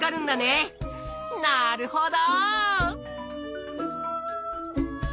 なるほど！